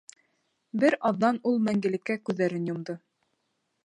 Бер аҙҙан ул мәңгелеккә күҙҙәрен йомдо.